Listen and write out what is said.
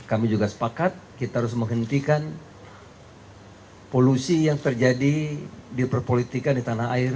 kami juga sepakat kita harus menghentikan polusi yang terjadi di perpolitikan di tanah air